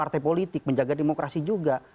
partai politik menjaga demokrasi juga